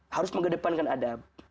harus mengedepankan adab